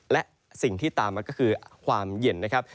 และสิ่งที่ตามมาก็คือความเย็นนะครับ